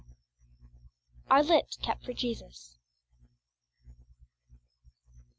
Our Lips kept for Jesus.